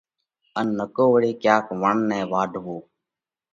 ان نڪو وۯي ڪياڪ وڻ نئہ واڍوو۔